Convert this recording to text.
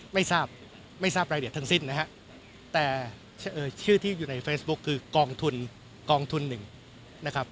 ไม่ทราบไม่ทราบรายละเอียดทั้งสิ้นนะฮะแต่ชื่อที่อยู่ในเฟซบุ๊คคือกองทุนกองทุนหนึ่งนะครับ